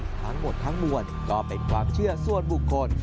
ทั้งหมดทั้งมวลก็เป็นความเชื่อส่วนบุคคล